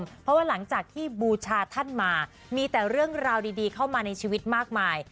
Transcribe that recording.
เพราะว่าหลังจากที่บูชาท่านมามีแต่เรื่องราวดีเข้ามาในชีวิตมากมาย